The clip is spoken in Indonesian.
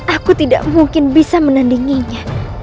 aku tidak mungkin bisa menandinginya